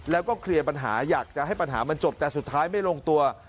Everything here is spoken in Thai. แล้วก็เคลียร์ปัญหาอยากจะให้ปัญหามันจบแต่สุดท้ายไม่ลงตัว